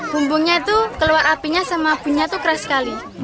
bumbungnya itu keluar apinya sama bunyinya itu keras sekali